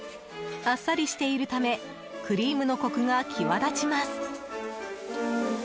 あっさりしているためクリームのコクが際立ちます。